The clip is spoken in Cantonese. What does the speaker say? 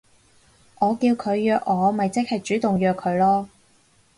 我叫佢約我咪即係主動約佢囉